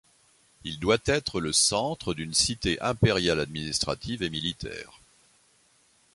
Il doit être le centre d'une cité impériale administrative et militaire.